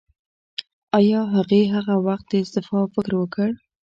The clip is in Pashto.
ایا هغې هغه وخت د استعفا فکر وکړ؟